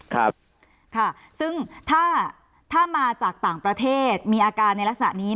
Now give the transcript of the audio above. ครับค่ะซึ่งถ้ามาจากต่างประเทศมีอาการในลักษณะนี้